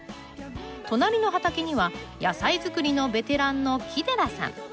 隣の畑には野菜作りのベテランの木寺さん。